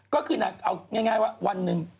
ก็คือนางเอาง่ายว่าวันหนึ่ง